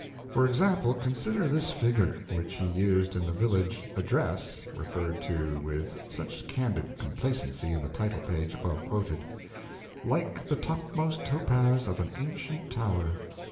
For example, consider this figure, which he used in the village "Address" referred to with such candid complacency in the title page above quoted "like the topmost topaz of an ancient tower."